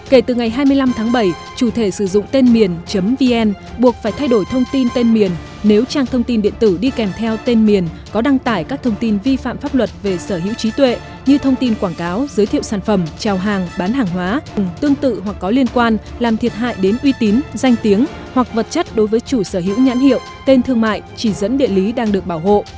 kể từ ngày hai mươi năm tháng bảy chủ thể sử dụng tên miền vn buộc phải thay đổi thông tin tên miền nếu trang thông tin điện tử đi kèm theo tên miền có đăng tải các thông tin vi phạm pháp luật về sở hữu trí tuệ như thông tin quảng cáo giới thiệu sản phẩm trào hàng bán hàng hóa tương tự hoặc có liên quan làm thiệt hại đến uy tín danh tiếng hoặc vật chất đối với chủ sở hữu nhãn hiệu tên thương mại chỉ dẫn địa lý đang được bảo hộ